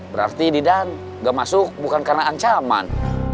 berarti didan gak masuk bukan karena ancaman